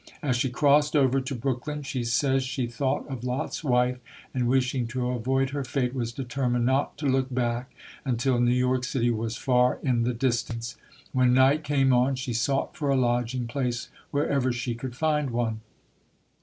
As she crossed over to Brooklyn, she says she thought of Lot's wife, and, wishing to avoid her fate, was determined not to look back until New York City was far in the distance. When night came on she sought for a lodging place wherever she could find one.